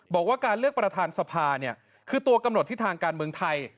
บอกว่าการเลือกประธานสภาคือตัวกำหนดที่ทางการเมืองไทย